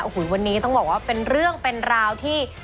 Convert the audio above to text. โอ้โหวันนี้ต้องบอกว่าเป็นเรื่องเป็นราวที่